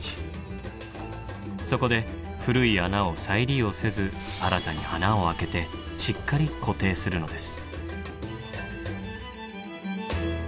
そこで古い穴を再利用せず新たに穴を開けてしっかり固定するのです。